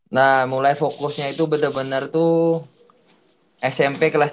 nah mulai fokusnya itu bener bener tuh smp kelas tiga